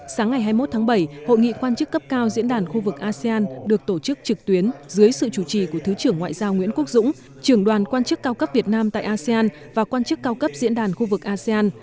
sáng ngày hai mươi một tháng bảy hội nghị quan chức cấp cao diễn đàn khu vực asean được tổ chức trực tuyến dưới sự chủ trì của thứ trưởng ngoại giao nguyễn quốc dũng trưởng đoàn quan chức cao cấp việt nam tại asean và quan chức cao cấp diễn đàn khu vực asean